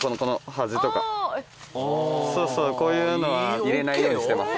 そうそうこういうのは入れないようにしてます。